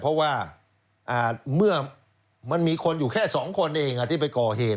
เพราะว่าเมื่อมันมีคนอยู่แค่๒คนเองที่ไปก่อเหตุ